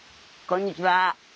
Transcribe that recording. こんにちは。